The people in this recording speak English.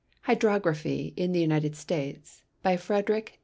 HYDROGRAPHY IN THE UNITED STATES By Frederick.